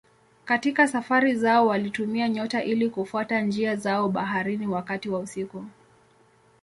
Katika safari zao walitumia nyota ili kufuata njia zao baharini wakati wa usiku.